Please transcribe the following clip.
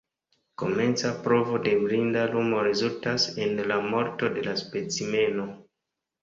Komenca provo de blinda lumo rezultas en la morto de la specimeno.